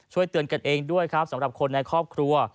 เตือนกันเองด้วยครับสำหรับคนในครอบครัว